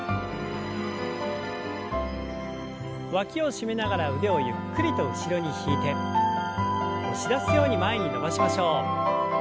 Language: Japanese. わきを締めながら腕をゆっくりと後ろに引いて押し出すように前に伸ばしましょう。